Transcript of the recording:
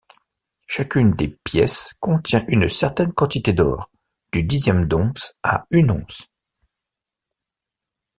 Chacune des pièces contient une certaine quantité d’or, du dixième d’once à une once.